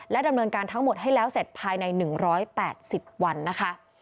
ดำเนินการทั้งหมดให้แล้วเสร็จภายใน๑๘๐วันนะคะ